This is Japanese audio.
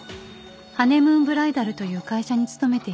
ハネムーンブライダルという会社に勤めていた